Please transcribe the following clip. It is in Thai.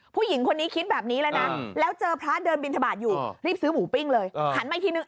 ผู้หญิงคนนี้คิดแบบนี้แล้วนะแล้วเจอพระเดินบินทบาทอยู่รีบซื้อหมูปิ้งเลยหันมาอีกทีนึง